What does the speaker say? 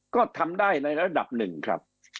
ก็ทำได้ในระดับหนึ่งครับ